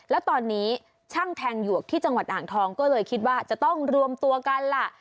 แล้วตอนนี้ช่างแทงหยวกที่จังหวัดอ่างทองก็เลยคิดว่าจะต้องรวมตัวกันล่ะ